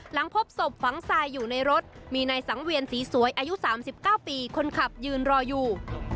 หลังพบศพฝังทรายอยู่ในรถมีนายสังเวียนศรีสวยอายุ๓๙ปีคนขับยืนรออยู่